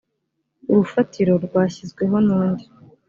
urufatiro rwashyizweho n undi